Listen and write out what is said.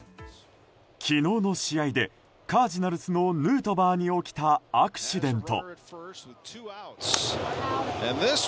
昨日の試合でカージナルスのヌートバーに起きたアクシデント。